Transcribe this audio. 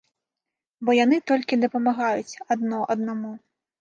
Бо яны толькі дапамагаюць адно аднаму.